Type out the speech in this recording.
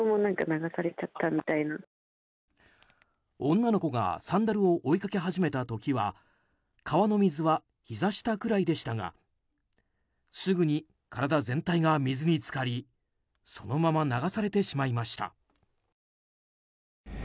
女の子がサンダルを追いかけ始めた時は川の水はひざ下くらいでしたがすぐに体全体が水に浸かりそのまま流されてしまいました。